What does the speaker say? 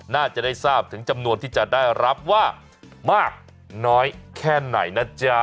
น่าจะได้ทราบถึงจำนวนที่จะได้รับว่ามากน้อยแค่ไหนนะจ๊ะ